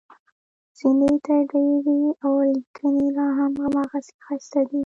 زینتي ډبرې او لیکنې لاهم هماغسې ښایسته دي.